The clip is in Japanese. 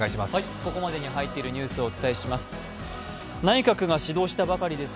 ここまでに入ったニュースをお伝えします。